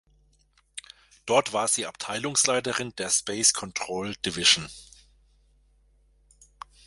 Dort war sie Abteilungsleiterin der Space Control Division.